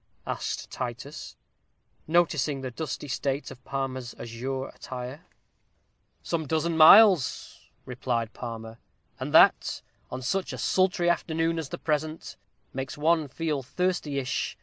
asked Titus, noticing the dusty state of Palmer's azure attire. "Some dozen miles," replied Palmer; "and that, on such a sultry afternoon as the present, makes one feel thirstyish.